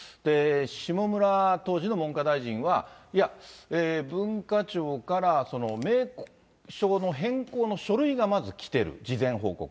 下村、当時の文科大臣は、いや、文化庁から、名称の変更の書類がまず来てる、事前報告。